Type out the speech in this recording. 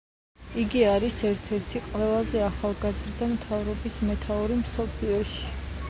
იგი არის ერთ-ერთი ყველაზე ახალგაზრდა მთავრობის მეთაური მსოფლიოში.